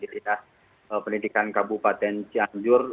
penelitikan kabupaten cianjur